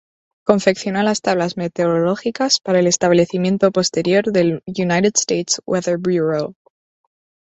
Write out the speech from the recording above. Confeccionó las tablas meteorológicas para el establecimiento posterior del United States Weather Bureau.